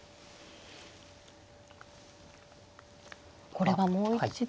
これはもう一度。